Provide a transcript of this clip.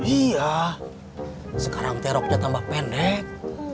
iya sekarang teroknya tambah pendek